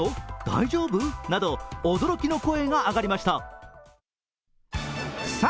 大丈夫？など驚きの声が上がりました。